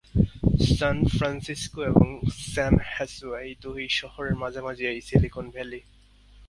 সান Francisco এবং San Jose এই দুই শহরের মাঝামাঝি এই সিলিকন ভ্যালি।